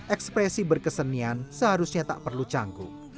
ekspresi berkesenian seharusnya tak perlu canggung